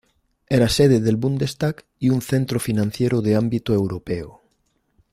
Era sede del "Bundestag" y un centro financiero de ámbito europeo.